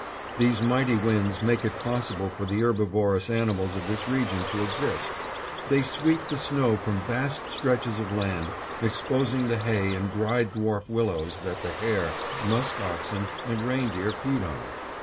These mighty winds make it possible for the herbivorous animals of this region to exist. They sweep the snow from vast stretches of land, exposing the hay and dried dwarf willows, that the hare, musk oxen, and reindeer feed on.